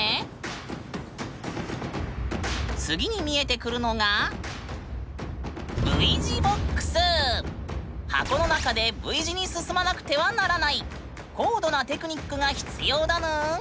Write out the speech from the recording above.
次に見えてくるのが箱の中でＶ字に進まなくてならない高度なテクニックが必要だぬん。